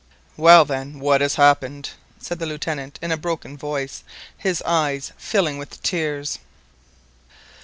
"Well, then, what has happened?" said the Lieutenant in a broken voice, his eyes filling with tears.